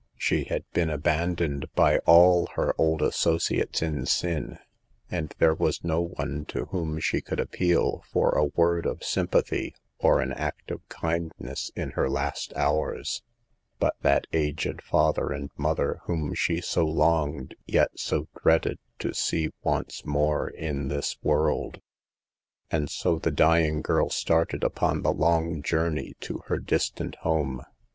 She had been abandoned by all her old associates in sin A and there was no one to whom she could appeal for a word of sympathy or an act of kindness in her last hours, but that aged father and mother whom she so longed yet so dreaded to see once again in this world. And so the dying girl started uppn the long journey to her distant home.